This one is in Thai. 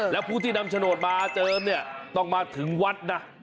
แล้วผู้ที่นำโฉนดมาเจิมเนี่ยต้องมาถึงวัดนะ